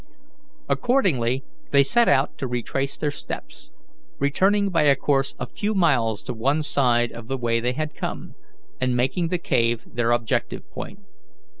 Accordingly, they set out to retrace their steps, returning by a course a few miles to one side of the way they had come, and making the cave their objective point.